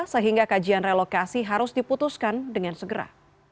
sehingga kajian relokasi harus diputuskan dengan segera